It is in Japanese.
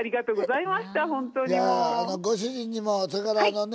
いやあのご主人にもそれからあのね